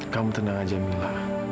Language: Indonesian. kamu tenang aja mila